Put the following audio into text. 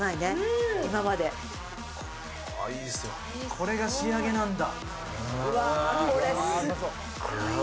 これが仕上げなんだ。